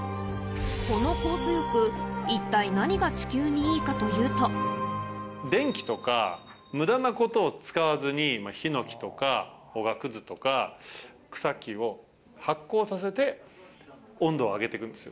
この酵素浴、一体何が地球に電気とか、むだなことを使わずに、ヒノキとか、おがくずとか、草木を発酵させて温度を上げていくんですよ。